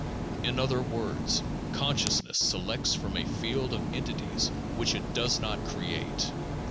In other words, con sciousness selects from a field of entities which it does not create.